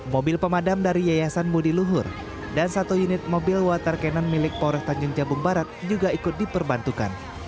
mobil pemadam dari yayasan budi luhur dan satu unit mobil water cannon milik polres tanjung jabung barat juga ikut diperbantukan